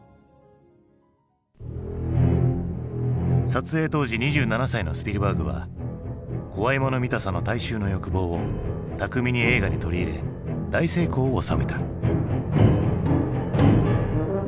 撮影当時２７歳のスピルバーグは怖いもの見たさの大衆の欲望を巧みに映画に取り入れ大成功を収めた。